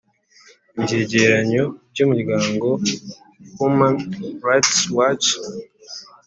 ibyegeranyo by'umuryango human rights watch